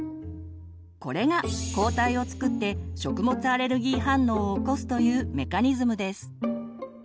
これが抗体を作って食物アレルギー反応を起こすというメカニズムです。